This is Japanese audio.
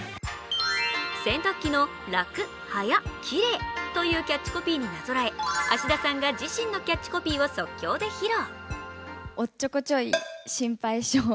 洗濯機の「らくはやきれい」というキャッチコピーになぞらえ芦田さんが自身のキャッチコピーを即興で披露。